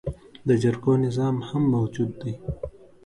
د جرګو نظام هم موجود دی